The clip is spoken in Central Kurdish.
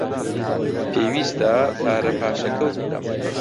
پێویستە پارە پاشەکەوت بکەم.